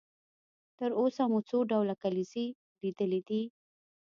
تر اوسه مو څو ډوله کلیزې لیدلې دي؟